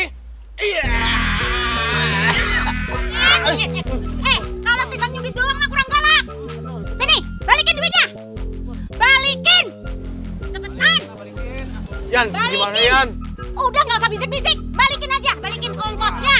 eh kalau tidak nyugi doang kurang galak sini balikin duitnya